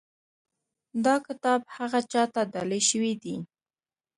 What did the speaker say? دا کتاب هغه چا ته ډالۍ شوی دی.